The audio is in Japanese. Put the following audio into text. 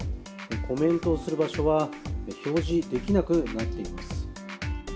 コメントする場所は表示できなくなっています。